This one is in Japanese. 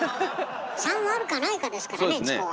３あるかないかですからねチコは。